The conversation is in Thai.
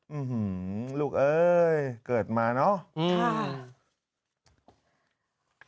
อื้อหือลูกเอ้ยเกิดมาเนอะ